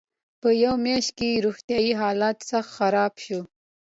په یوه میاشت کې یې روغتیایي حالت سخت خراب شو.